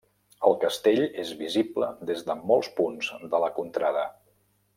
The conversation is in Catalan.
El castell és visible des de molts punts de la contrada.